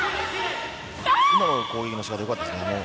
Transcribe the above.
今の攻撃の仕方よかったですね。